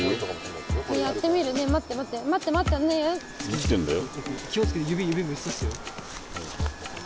生きてんだよ。